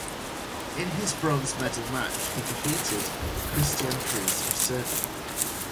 In his bronze medal match he defeated Kristijan Fris of Serbia.